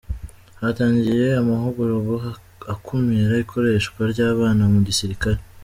Hatangiye amahugurwa akumira ikoreshwa ry’abana mu gisirikare